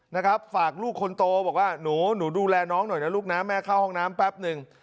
นะครับฝากลูกคนโตบอกว่าหนูหนูดูแลน้องหน่อยนะลูกนะแม่เข้าห้องน้ำแป๊บหนึ่ง